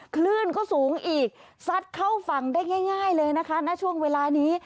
คลื่นก็สูงอีกซัดเข้าฝั่งได้ง่ายเลยนะคะณช่วงเวลานี้